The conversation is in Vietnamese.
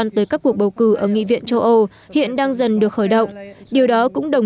tới các cuộc bầu cử ở nghị viện châu âu hiện đang dần được khởi động điều đó cũng đồng